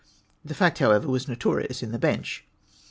The fact, however, was notorious in the Bench.